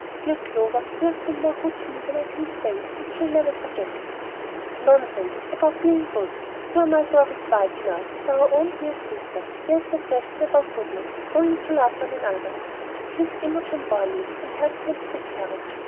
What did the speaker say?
Dear Clover, you have been more good to me than I can say, and I shall never forget it." "Nonsense about being good! You are my Dorry's wife now, and our own dear sister. There is no question about goodness, only to love one another." She kissed Imogen warmly, and helped her into the carriage.